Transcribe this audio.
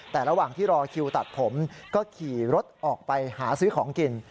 แต่ระหว่างที่รอคิวตัดผมก็ขี่รถออกไปหาซื้อของกิน